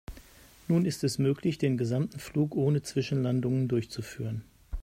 Nun ist es möglich, den gesamten Flug ohne Zwischenlandungen durchzuführen.